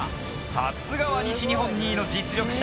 さすがは西日本２位の実力者。